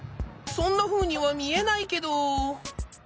そんなふうにはみえないけど。